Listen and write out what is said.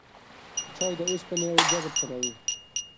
چای د اوسپنې جذب کموي.